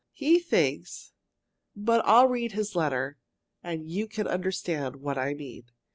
He thinks But I'll read his letter, and you can understand what I mean.